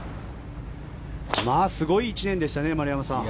すごい１年でしたね、丸山さん。